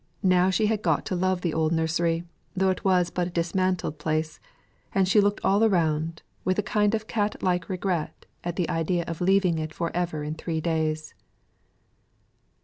Now she had got to love the old nursery, though it was but a dismantled place; and she looked all round with a kind of cat like regret, at the idea of leaving it for ever in three days.